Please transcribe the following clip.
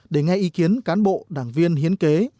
để nghe ý kiến cán bộ đảng viên hiến kế